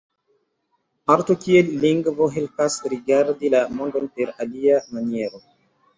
Arto kiel lingvo helpas rigardi la mondon per alia maniero.